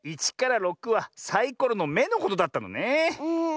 １から６はサイコロの「め」のことだったのね。